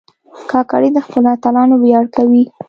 کاکړي د خپلو اتلانو ویاړ کوي.